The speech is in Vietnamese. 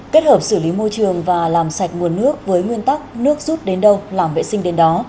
kết hợp xử lý môi trường và làm sạch nguồn nước với nguyên tắc nước rút đến đâu làm vệ sinh đến đó